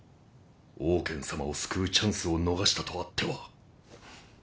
オウケン様を救うチャンスを逃したとあっては。